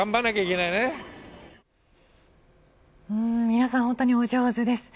皆さん本当にお上手です。